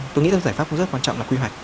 tôi nghĩ giải pháp rất quan trọng là quy hoạch